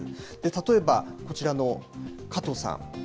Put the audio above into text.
例えばこちらの加藤さん。